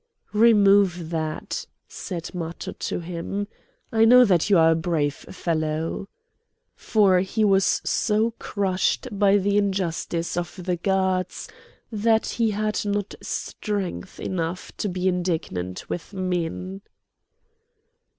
"Remove that," said Matho to him. "I know that you are a brave fellow!" For he was so crushed by the injustice of the gods that he had not strength enough to be indignant with men.